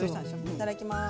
いただきます。